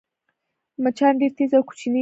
مچان ډېر تېز او کوچني دي